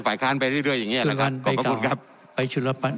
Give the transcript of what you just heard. ฝ่ายคารไปเรื่อยเรื่อยอย่างเงี้ยนะครับขอบความบินถ์